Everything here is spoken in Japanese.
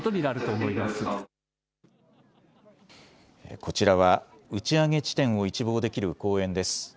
こちらは打ち上げ地点を一望できる公園です。